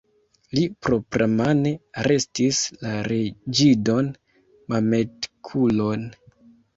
Li propramane arestis la reĝidon Mametkulon.